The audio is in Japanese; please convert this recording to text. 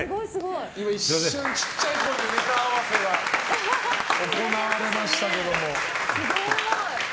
一瞬ちっちゃい声でネタ合わせが行われましたけども。